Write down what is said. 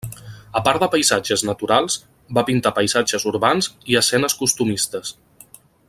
A part de paisatges naturals, va pintar paisatges urbans i escenes costumistes.